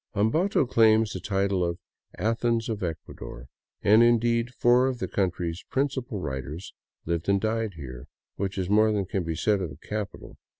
Ambato claims the title of " Athens of Ecuador "; and, indeed, four of the country's principal writers lived and died here, which is more than can be said of the capital.